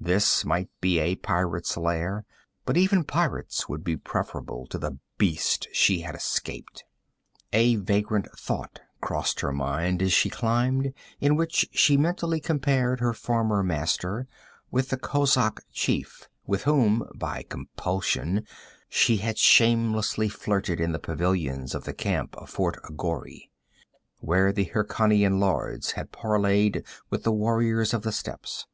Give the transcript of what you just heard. This might be a pirate's lair, but even pirates would be preferable to the beast she had escaped. A vagrant thought crossed her mind as she climbed, in which she mentally compared her former master with the kozak chief with whom by compulsion she had shamelessly flirted in the pavilions of the camp by Fort Ghori, where the Hyrkanian lords had parleyed with the warriors of the steppes.